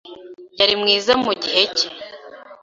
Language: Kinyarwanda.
Yari mwiza mu gihe cye.